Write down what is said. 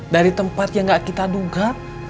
dari tempat yang gak kita duga